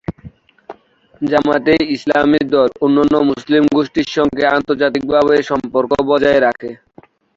জামায়াত-ই-ইসলামী দল অন্যান্য মুসলিম গোষ্ঠীর সঙ্গে আন্তর্জাতিকভাবে সম্পর্ক বজায় রাখে।